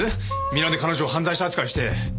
皆で彼女を犯罪者扱いして。